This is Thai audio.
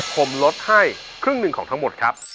ผมลดให้ครึ่งหนึ่งของทั้งหมดครับ